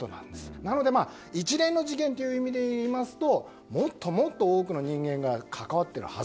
なので、一連の事件という意味で言いますともっともっと多くの人間が関わっているはず。